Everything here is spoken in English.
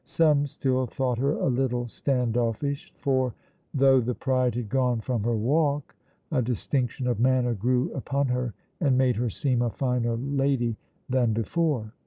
Some still thought her a little stand offish, for, though the pride had gone from her walk, a distinction of manner grew upon her and made her seem a finer lady than before.